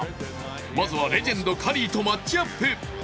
まずはレジェンド・カリーとマッチアップ。